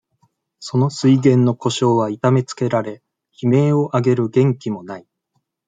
その水源の湖沼は痛めつけられ、悲鳴を上げる元気も無い。